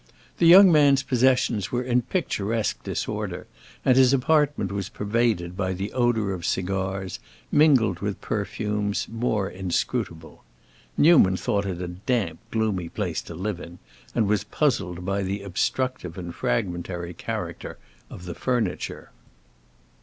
The young man's possessions were in picturesque disorder, and his apartment was pervaded by the odor of cigars, mingled with perfumes more inscrutable. Newman thought it a damp, gloomy place to live in, and was puzzled by the obstructive and fragmentary character of the furniture.